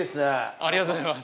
ありがとうございます。